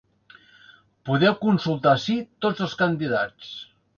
Podeu consultar ací tots els candidats.